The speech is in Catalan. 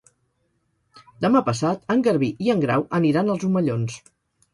Demà passat en Garbí i en Grau aniran als Omellons.